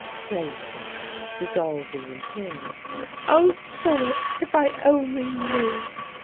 Plaintiff (dissolving in tears): "Ah, sir, if I only knew!"